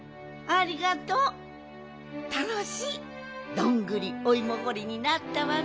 どんぐりおいもほりになったわね。